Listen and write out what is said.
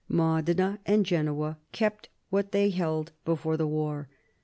Modena and Genoa kept what they held before the war.